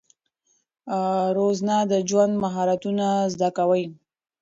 روزنه د ژوند مهارتونه زده کوي.